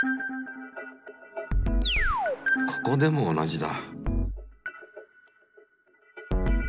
ここでも同じだ。